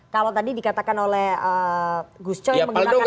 kalau tadi dikatakan oleh gus coy menggunakan hak dan tanggung jawabnya